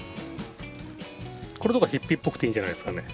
これとかヒッピーっぽくていいんじゃないですかね？